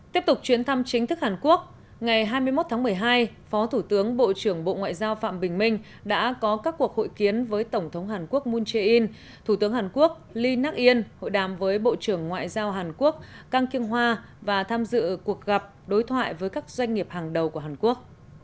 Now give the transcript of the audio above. tiếp tục chuyến thăm chính thức hàn quốc ngày hai mươi một tháng một mươi hai phó thủ tướng bộ trưởng bộ ngoại giao phạm bình minh đã có các cuộc hội kiến với tổng thống hàn quốc moon jae in thủ tướng hàn quốc lee nak yên hội đàm với bộ trưởng ngoại giao hàn quốc kang kyung hoa và tham dự cuộc gặp đối thoại với các doanh nghiệp hàng đầu của hàn quốc